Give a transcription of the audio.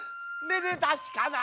めでたしかな。